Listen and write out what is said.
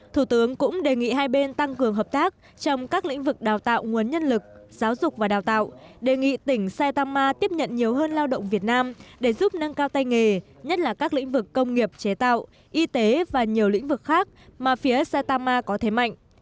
thủ tướng cũng đề nghị hai bên tăng cường hợp tác trong các lĩnh vực đào tạo nguồn nhân lực giáo dục và đào tạo đề nghị tỉnh saitama tiếp nhận nhiều hơn lao động việt nam để giúp nâng cao tay nghề nhất là các lĩnh vực công nghiệp chế tạo y tế và nhiều lĩnh vực khác mà phía saitama có thế mạnh